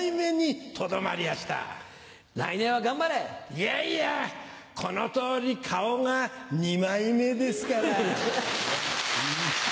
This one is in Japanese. いやいやこの通り顔が二枚目ですから。